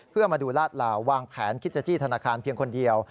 เพื่อมาดูลาดลาววางแผนคิดจะจี้ธนาคารเพียงคนเดียว